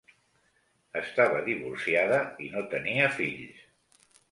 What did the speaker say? Estava divorciada i no tenia fills.